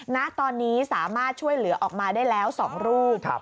ณตอนนี้สามารถช่วยเหลือออกมาได้แล้ว๒รูป